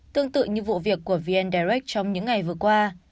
tương tự như vụ việc của vn direct trong những ngày vừa qua